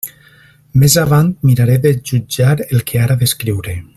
Més avant miraré de jutjar el que ara descriuré.